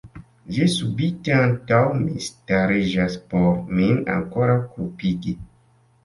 Ĝi subite antaŭ mi stariĝas por min ankoraŭ kulpigi.